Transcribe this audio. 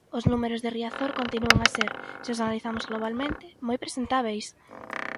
Os números de Riazor continúan a ser, se os analizamos globalmente, moi presentábeis.